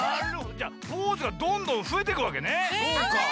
じゃあポーズがどんどんふえてくわけね。